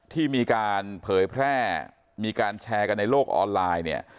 ที่มีการเผยแพร่มีการแชร์กันในโลกออนไลน์เนี่ย